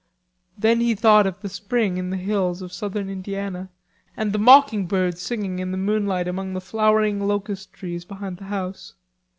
Then he thought of the spring in the hills of southern Indiana and the mocking bird singing in the moonlight among the flowering locust trees behind the house.